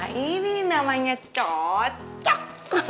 nah ini namanya cocok